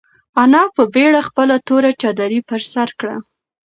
انا په بېړه خپله توره چادري پر سر کړه.